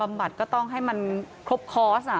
บัดก็ต้องให้มันครบคอร์ส